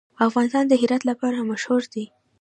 افغانستان د هرات لپاره مشهور دی.